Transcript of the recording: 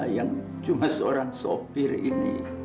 yang cuma seorang sopir ini